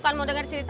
kenapa lo telat